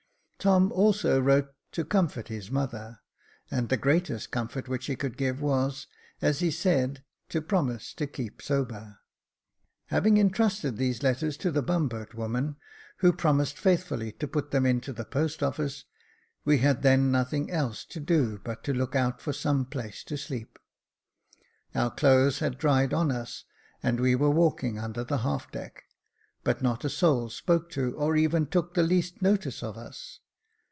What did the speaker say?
Tom also wrote to comfort his mother, and the greatest comfort which he could give was, as he said, to promise to keep sober. Having entrusted these letters to the bumboat woman, who promised ^5'2 Jacob Faithful faithfully to put them into the post office, we had then nothing else to do but to look out for some place to sleep. Our clothes had dried on us, and we were walking under the half deck : but not a soul spoke to, or even took the least notice of us.